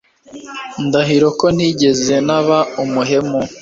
Ndahiro ko ntigeze naba umuhemu